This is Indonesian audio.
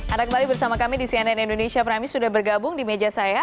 anda kembali bersama kami di cnn indonesia prime news sudah bergabung di meja saya